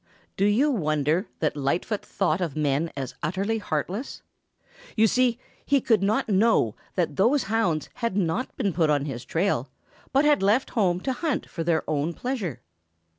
Do you wonder that Lightfoot thought of men as utterly heartless? You see, he could not know that those hounds had not been put on his trail, but had left home to hunt for their own pleasure.